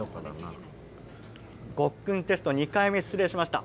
ごっくんテスト２回目失礼しました。